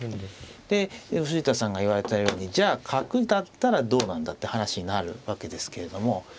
で藤田さんが言われたようにじゃあ角だったらどうなんだって話になるわけですけれども。